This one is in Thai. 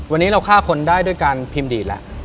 วันนี้เราฆ่าคนได้ด้วยการพิมพ์ดีดแล้ว